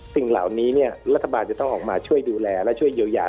สิ่งเหล่านี้รัฐบาลจะต้องออกมาช่วยดูแลและช่วยเยียวยา